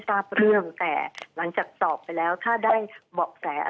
ให้คำตอบได้ค่ะ